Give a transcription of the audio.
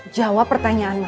jawab pertanyaan maman